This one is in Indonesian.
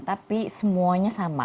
tapi semuanya sama